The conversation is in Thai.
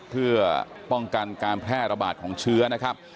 เพื่อป้องกันการแพร่ระบาดของเชื้อนะครับ